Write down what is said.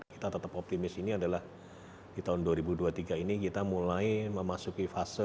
kita tetap optimis ini adalah di tahun dua ribu dua puluh tiga ini kita mulai memasuki fase